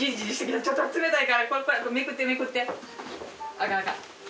あかんあかん。